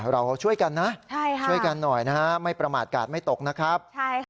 เราช่วยกันนะช่วยกันหน่อยนะฮะไม่ประมาทกาศไม่ตกนะครับ